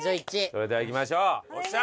それではいきましょう。